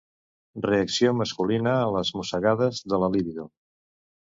Reacció masculina a les mossegades de la libido.